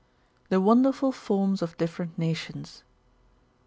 THE "WONDERFUL FORMS OF DIFFERENT NATIONS.